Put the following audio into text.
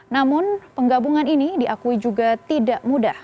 namun penggabungan ini diakui juga tidak mudah